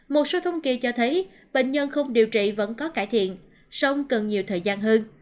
một số thông kỳ cho thấy bệnh nhân không điều trị vẫn có cải thiện song cần nhiều thời gian hơn